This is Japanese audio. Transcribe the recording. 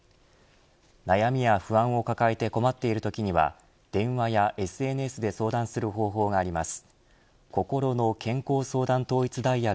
悩みや不安を抱えて困っているときには電話やＳＮＳで相談する方法があります。